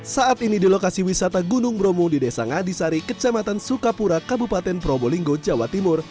saat ini di lokasi wisata gunung bromo di desa ngadisari kecamatan sukapura kabupaten probolinggo jawa timur